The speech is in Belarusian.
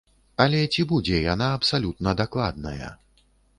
Але ці будзе яна абсалютна дакладная?